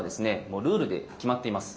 もうルールで決まっています。